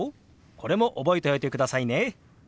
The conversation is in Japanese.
これも覚えておいてくださいね。